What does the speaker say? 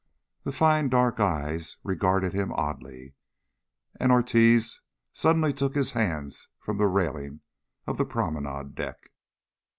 The fine dark eyes regarded him oddly. And Ortiz suddenly took his hands from the railing of the promenade deck.